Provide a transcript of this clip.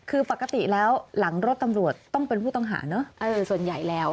คือปกติแล้วหลังรถตำรวจต้องเป็นผู้ต้องหาเนอะส่วนใหญ่แล้ว